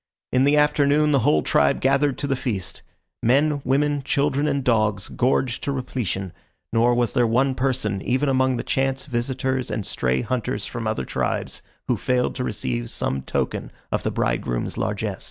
In the afternoon the whole tribe gathered to the feast. Men, women, children, and dogs gorged to repletion, nor was there one person, even among the chance visitors and stray hunters from other tribes, who failed to receive some token of the bridegroom's largess.